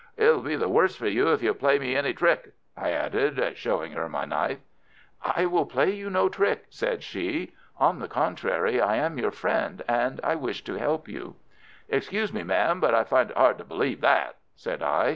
"It'll be the worse for you if you play me any trick," I added, showing her my knife. "I will play you no trick," said she. "On the contrary, I am your friend, and I wish to help you." "Excuse me, ma'am, but I find it hard to believe that," said I.